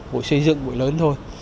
bụi xây dựng bụi lớn thôi